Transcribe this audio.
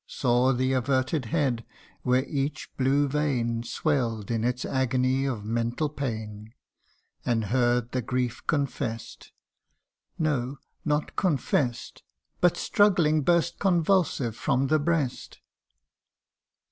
Saw the averted head, where each blue vein SwelPd in its agony of mental pain ; And heard the grief confess'd : no, not confess'd, But struggling burst convulsive from the breast